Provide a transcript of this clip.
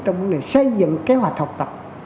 trong vấn đề xây dựng kế hoạch học tập